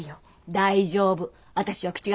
大丈夫私は口が堅いで。